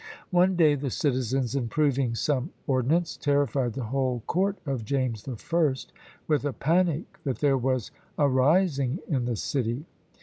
One day the citizens, in proving some ordnance, terrified the whole court of James the First with a panic that there was "a rising in the city."